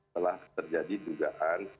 telah terjadi dugaan